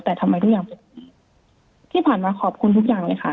แต่ทำไมด้วยที่ผ่านมาขอบคุณทุกอย่างเลยค่ะ